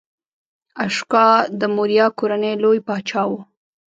اشوکا د موریا کورنۍ لوی پاچا و.